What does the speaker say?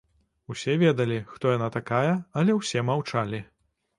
Усе ведалі, хто яна такая, але ўсе маўчалі.